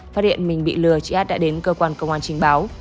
phát hiện mình bị lừa chị at đã đến cơ quan công an trình báo